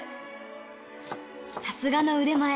さすがの腕前。